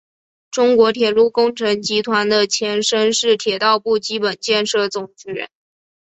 中国铁路工程集团的前身是铁道部基本建设总局。